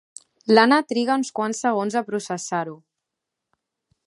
L'Anna triga uns quants segons a processar-ho.